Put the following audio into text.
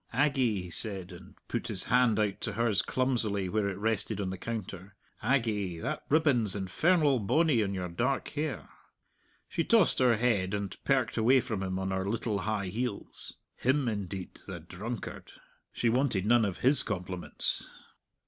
"Aggie," he said, and put his hand out to hers clumsily where it rested on the counter "Aggie, that ribbon's infernal bonny on your dark hair!" She tossed her head, and perked away from him on her little high heels. Him, indeed! the drunkard! She wanted none of his compliments!